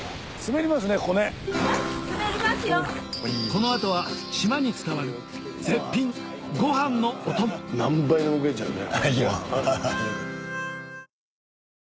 このあとは島に伝わる絶品ご飯のお供何杯でも食えちゃうね。